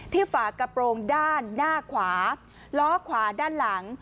ฝากระโปรงด้านหน้าขวาล้อขวาด้านหลัง